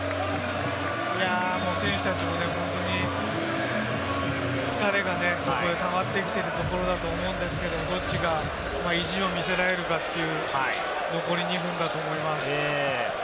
選手たちもね、本当に疲れがね、たまってきているところだと思うんですけれども、どっちが意地を見せられるかという、残り２分だと思います。